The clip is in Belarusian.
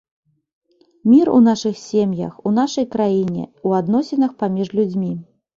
Мір у нашых сем'ях, у нашай краіне, у адносінах паміж людзьмі.